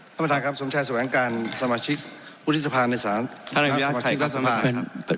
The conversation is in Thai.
ท่านประธานครับสมชายสวัสดิ์อังการสมาชิกอุทิศภาคในสหรัฐสมาชิกรัฐสมาชิกครับ